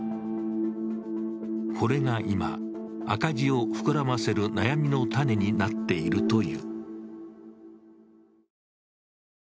これが今、赤字を膨らませる悩みの種になっているという。